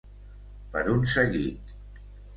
Per un seguit.